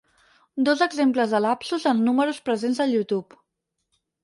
Dos exemples de lapsus en números presents al YouTube.